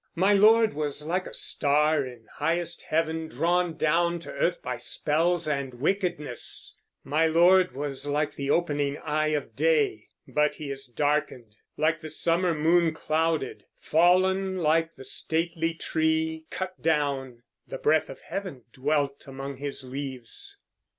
My lord was like a star in highest heaven Drawn down to earth by spells and wickedness; My lord was like the opening eye of day; But he is darkened; like the summer moon Clouded; fall'n like the stately tree, cut down; The breath of heaven dwelt among his leaves.